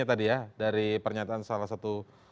mamah disini kesin banget banget